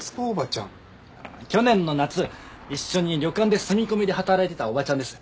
去年の夏一緒に旅館で住み込みで働いてたおばちゃんです。